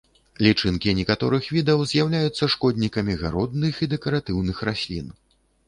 Лічынкі некаторых відаў з'яўляюцца шкоднікамі гародных і дэкаратыўных раслін.